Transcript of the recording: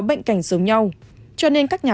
bệnh cảnh giống nhau cho nên các nhà